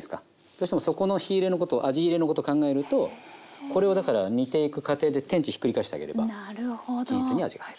どうしてもそこの火入れのこと味入れのこと考えるとこれをだから煮ていく過程で天地ひっくり返してあげればいいですね